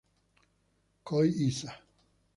Kohei Isa